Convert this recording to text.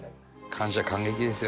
感謝感激ですよ